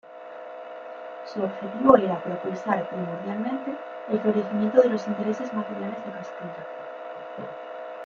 Su objetivo era ""propulsar, primordialmente, el florecimiento de los intereses materiales de Castilla"".